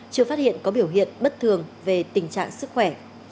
chưa phát hiện có biểu hiện bất thường về tình trạng sức khỏe